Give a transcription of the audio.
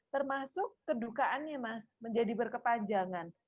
termasuk kedukaannya mas menjadi berkepanjangan